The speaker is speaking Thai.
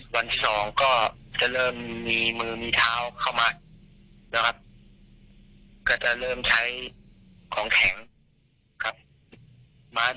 วันที่๒ก็จะเริ่มมีมือมีเท้าเข้ามานะครับก็จะเริ่มใช้ของแข็งครับ